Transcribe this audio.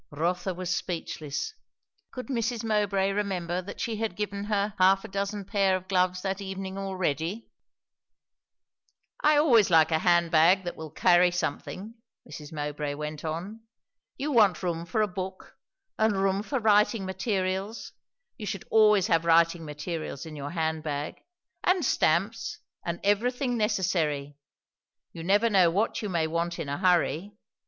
Rotha was speechless. Could Mrs. Mowbray remember that she had given her half a dozen pair of gloves that evening already? "I always like a handbag that will carry something," Mrs. Mowbray went on. "You want room for a book, and room for writing materials; you should always have writing materials in your hand bag, and stamps, and everything necessary. You never know what you may want in a hurry.